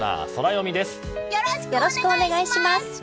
よろしくお願いします！